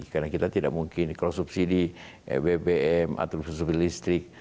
karena kita tidak mungkin kalau subsidi bbm atau subsidi listrik